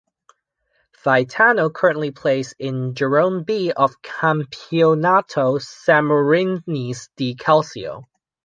Faetano currently plays in "Girone B" of Campionato Sammarinese di Calcio.